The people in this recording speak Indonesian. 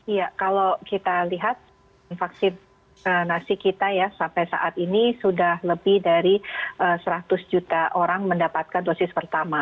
iya kalau kita lihat vaksinasi kita ya sampai saat ini sudah lebih dari seratus juta orang mendapatkan dosis pertama